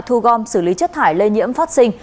thu gom xử lý chất thải lây nhiễm phát sinh